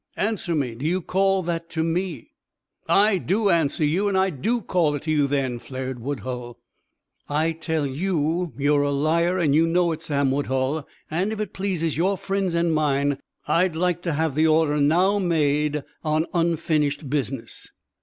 "Answer me! Do you call that to me?" "I do answer you, and I do call it to you then!" flared Woodhull. "I tell you, you're a liar, and you know it, Sam Woodhull! And if it pleases your friends and mine, I'd like to have the order now made on unfinished business."